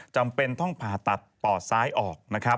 จำเป็นต้องผ่าตัดปอดซ้ายออกนะครับ